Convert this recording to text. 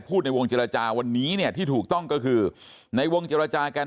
ในวงเจรจาวันนี้เนี่ยที่ถูกต้องก็คือในวงเจรจากัน